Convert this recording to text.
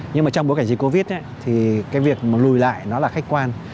nhưng mà trong bối cảnh dịch covid thì cái việc mà lùi lại nó là khách quan